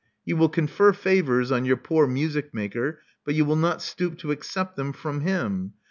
You will confer favors on your poor music maker; but you will not stoop to accept them from him.